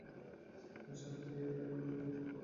অনুষ্ঠানটি ঢাকা মেডিকেল কলেজে অক্টোবর মাসে অনুষ্ঠিত হয়েছিলো।